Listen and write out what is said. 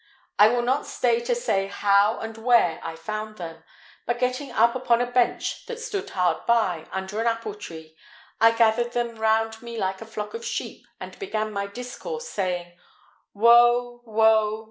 I will not stay to say how and where I found them; but getting up upon a bench that stood hard by, under an apple tree, I gathered them round me like a flock of sheep, and began my discourse, saying, 'Woe! woe!